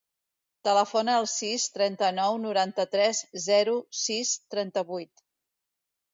Telefona al sis, trenta-nou, noranta-tres, zero, sis, trenta-vuit.